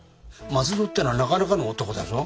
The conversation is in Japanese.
松蔵ってのはなかなかの男だぞ。